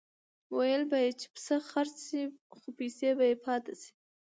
ویل به یې چې پسه خرڅ شي خو پیسې به یې پاتې شي.